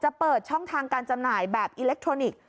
เปิดช่องทางการจำหน่ายแบบอิเล็กทรอนิกส์